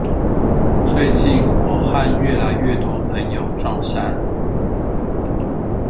最近，我和越來越多朋友撞衫